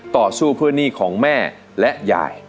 ต่อสู้เพื่อหนี้ของแม่และยาย